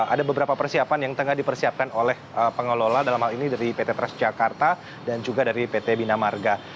ada beberapa persiapan yang tengah dipersiapkan oleh pengelola dalam hal ini dari pt transjakarta dan juga dari pt bina marga